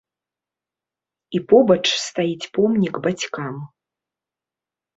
І побач стаіць помнік бацькам.